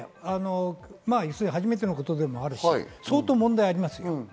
初めてのことでもあるし、問題は相当あります。